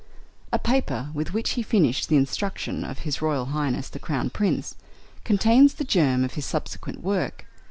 A paper with which he finished the instruction of H.R.H. the Crown Prince contains the germ of his subsequent works.